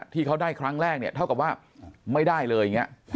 ที่เขาได้ครั้งแรกเท่ากับว่าไม่ได้เลย